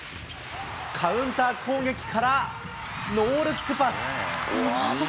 カウンター攻撃からノールックパス。